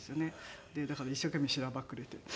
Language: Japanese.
だから一生懸命しらばっくれて。